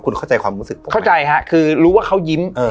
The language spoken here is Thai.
คุณเข้าใจความรู้สึกเข้าใจฮะคือรู้ว่าเขายิ้ม